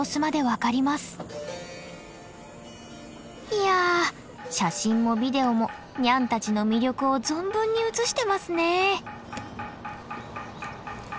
いや写真もビデオもニャンたちの魅力を存分に写してますね。